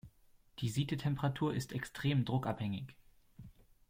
Die Siedetemperatur ist extrem druckabhängig.